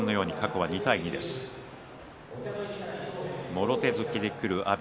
もろ手突きでくる阿炎